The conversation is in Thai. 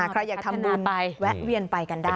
ใครอยากทำบุญแวะเวียนไปกันได้